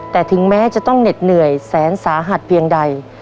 แต่ถึงแม้จะต้องเหน็ดเหนื่อยแสนสาหัสเพียงใด